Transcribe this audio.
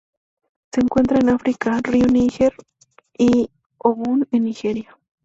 Se encuentran en África: ríos Níger y Ogun en Nigeria.